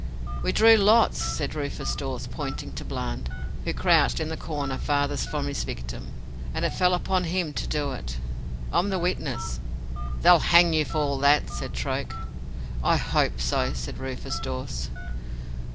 "We drew lots," said Rufus Dawes, pointing to Bland, who crouched in the corner farthest from his victim, "and it fell upon him to do it. I'm the witness." "They'll hang you for all that," said Troke. "I hope so," said Rufus Dawes.